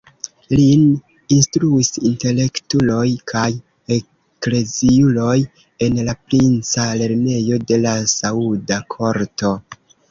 Lin instruis intelektuloj kaj ekleziuloj en la princa lernejo de la sauda korto.